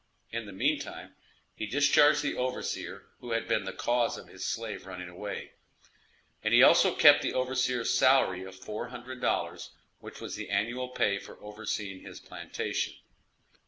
In the meantime, he discharged the overseer who had been the cause of his slave running away; and he also kept the overseer's salary of four hundred dollars, which was the annual pay for overseering his plantation.